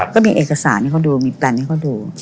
ก็มีเอกสารให้เขาดูมีแปลนให้เขาดู